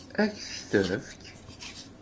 Ad k-t-tefk?